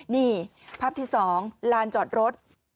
นี่ภาพที่๒ลานจอดรถ